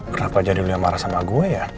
kenapa jadi lo yang marah sama gue ya